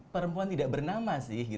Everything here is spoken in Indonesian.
perempuan tidak bernama sih